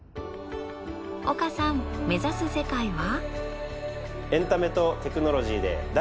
岡さん目指す世界は？